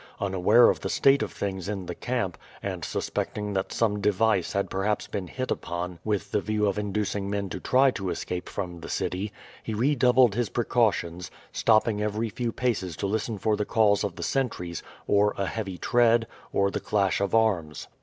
Unaware of the state of things in the camp, and suspecting that some device had perhaps been hit upon with the view of inducing men to try to escape from the city, he redoubled his precautions, stopping every few paces to listen for the calls of the sentries, or a heavy tread, or the clash of arms.